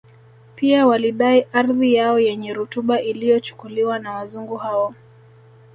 Pia walidai ardhi yao yenye rutuba iliyochukuliwa na Wazungu hao